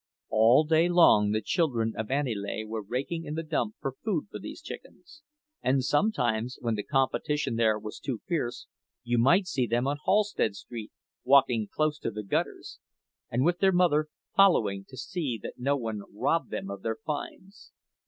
All day long the children of Aniele were raking in the dump for food for these chickens; and sometimes, when the competition there was too fierce, you might see them on Halsted Street walking close to the gutters, and with their mother following to see that no one robbed them of their finds.